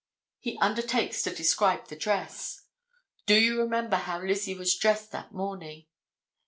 He undertakes to describe the dress. Do you remember how Lizzie was dressed that morning?